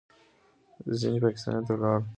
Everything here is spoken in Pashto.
ځینې پاکستان ته ولاړل.